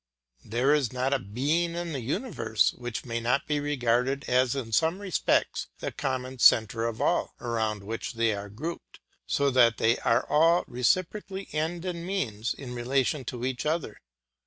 There is not a being in the universe which may not be regarded as in some respects the common centre of all, around which they are grouped, so that they are all reciprocally end and means in relation to each other.